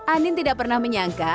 anin tidak pernah menyangka